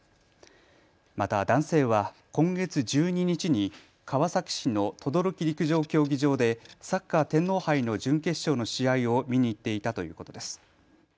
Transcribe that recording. また、男性は今月１２日に川崎市の等々力陸上競技場でサッカー天皇杯の準決勝の試合を見に行っていたということです。